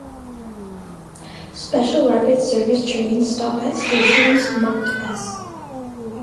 Special Rapid Service trains stop at stations marked "S".